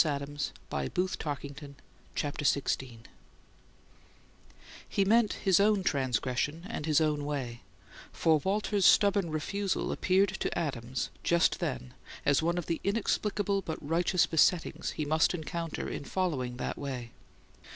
The way of the transgressor " CHAPTER XVI He meant his own transgression and his own way; for Walter's stubborn refusal appeared to Adams just then as one of the inexplicable but righteous besettings he must encounter in following that way.